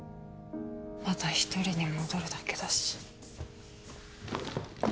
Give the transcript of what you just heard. また一人に戻るだけだし。